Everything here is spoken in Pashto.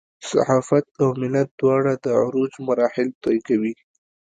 صحافت او ملت دواړه د عروج مراحل طی کوي.